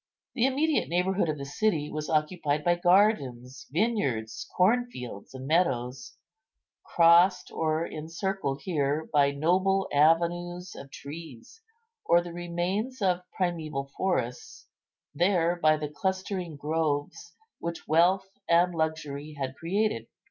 The immediate neighbourhood of the city was occupied by gardens, vineyards, corn fields, and meadows, crossed or encircled here by noble avenues of trees or the remains of primeval forests, there by the clustering groves which wealth and luxury had created.